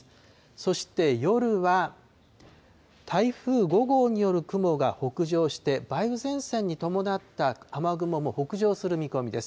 そして夜は、台風５号による雲が北上して、梅雨前線に伴った雨雲も北上する見込みです。